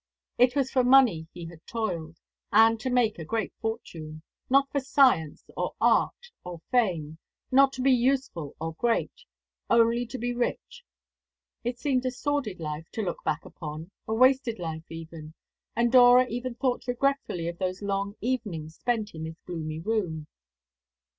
It was for money he had toiled, and to make a great fortune not for science, or art, or fame not to be useful or great only to be rich. It seemed a sordid life to look back upon a wasted life even and Dora thought regretfully of those long evenings spent in this gloomy room.